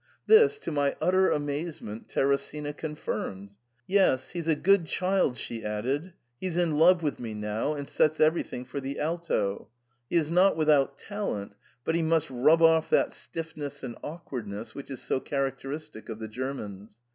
This, to my utter amazement, Teresina confinned, 'Yes, he's a good child,* she added ;* he's in love with me now and sets everything for the alto. He is not without talent, but he must rub off that stiffness and awkwardness which is so characteristic of the Germans.